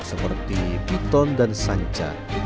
seperti piton dan sanca